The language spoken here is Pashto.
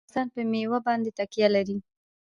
افغانستان په مېوې باندې تکیه لري.